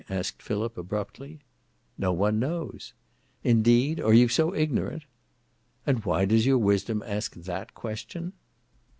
asked Philip, abruptly. '"No one knows," '"Indeed! are you so ignorant?" '"And why does your wisdom ask that question?"